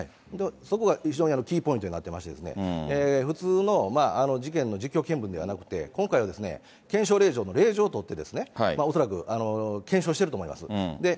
そこが非常にキーポイントになってまして、普通の事件の実況見分ではなくて、今回は検証令状の令状を取って、恐らく検証してると思います。